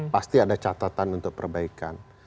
pasti ada catatan untuk perbaikan